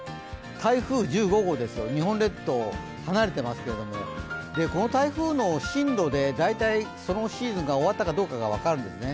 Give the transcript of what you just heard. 台風１５号、日本列島から離れていますけどこの台風の進路で、大体そのシーズンが終わったかどうかが分かるんですね。